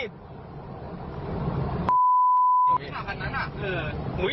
พสิทธิ์